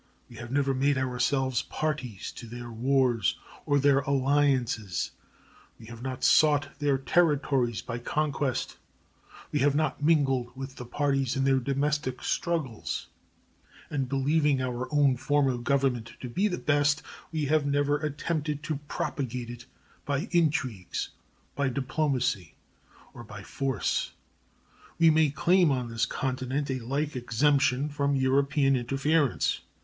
We have never made ourselves parties to their wars or their alliances; we have not sought their territories by conquest; we have not mingled with parties in their domestic struggles; and believing our own form of government to be the best, we have never attempted to propagate it by intrigues, by diplomacy, or by force. We may claim on this continent a like exemption from European interference.